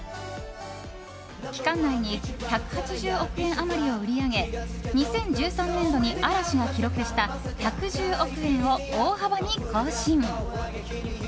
期間内に１８０億円余りを売り上げ２０１３年度に嵐が記録した１１０億円を大幅に更新。